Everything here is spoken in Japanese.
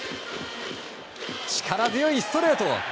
力強いストレート！